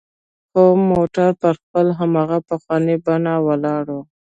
خو موټر پر خپل هماغه پخواني بڼه ولاړ و.